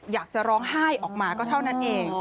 อยากจะร้องไห้ออกมาก็เท่านั้นเอง